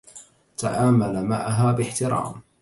تعامل معها باحترام.